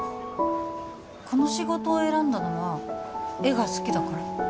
この仕事を選んだのは絵が好きだから？